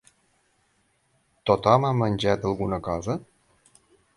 Tothom ha menjat alguna cosa?